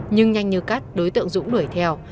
nhưng nhanh như cắt đối tượng dũng đuổi theo